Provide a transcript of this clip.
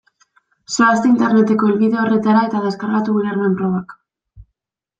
Zoazte Interneteko helbide horretara eta deskargatu ulermen-probak.